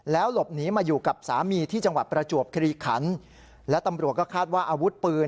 หลบหนีมาอยู่กับสามีที่จังหวัดประจวบคลีขันและตำรวจก็คาดว่าอาวุธปืน